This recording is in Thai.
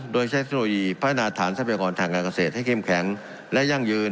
โดยใช้เทคโนโลยีพัฒนาฐานทรัพยากรทางการเกษตรให้เข้มแข็งและยั่งยืน